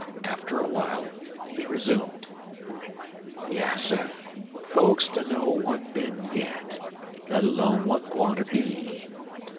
After a while, he resumed: "Yasser. Fokes dunner w'at bin yit, let 'lone w'at gwinter be.